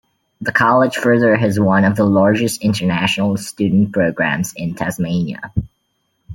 The college further has one of the largest International Student Programs in Tasmania.